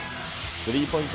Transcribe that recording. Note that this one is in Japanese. スリーポイント